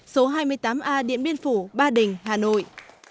số hai mươi tám a điện biên phủ ba đình hà nội